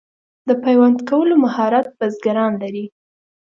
د پیوند کولو مهارت بزګران لري.